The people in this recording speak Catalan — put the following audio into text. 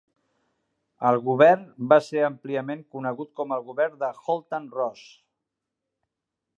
El Govern va ser àmpliament conegut com el Govern de Haultain-Ross.